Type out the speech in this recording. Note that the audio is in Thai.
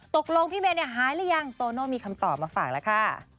ตกลงพี่เมย์หายแล้วยังโตโน่มีคำตอบมาฝากละค่ะ